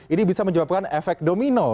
ini bisa menyebabkan efek domino